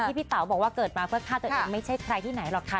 พี่เต๋าบอกว่าเกิดมาเพื่อฆ่าตัวเองไม่ใช่ใครที่ไหนหรอกค่ะ